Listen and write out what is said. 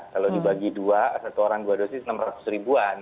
kalau dibagi dua satu orang dua dosis enam ratus ribuan